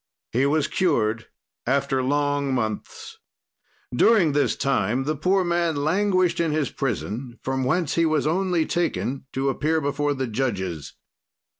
"He was cured after long months. "During this time the poor man languished in his prison, from whence he was only taken to appear before the judges.